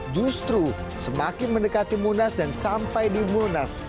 justru semakin mendekati munas dan sampai di munas